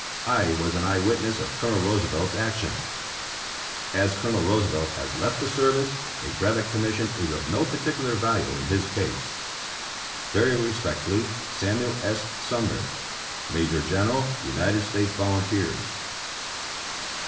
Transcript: I was an eye witness of Colonel Roosevelt's action. As Colonel Roosevelt has left the service, a Brevet Com mission is of no particular value in his case. Very respectfully, Samuel S. Sumner, Major General United States Volunteers.